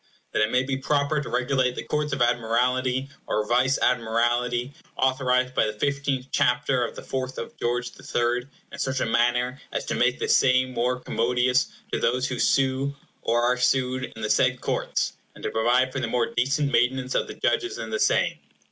"That it may be proper to regulate the Courts of Admiralty or Vice Admiralty authorized by the fifteenth Chapter of the Fourth of George the Third, in such a manner as to make the same more commodious to those who sue, or are sued, in the said Courts, and to provide for the more decent maintenance of the Judges in the same."